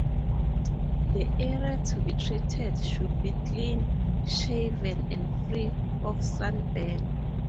The area to be treated should be clean shaven and free of sunburn.